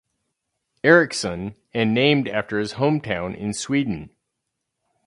Erickson, and named after his hometown in Sweden.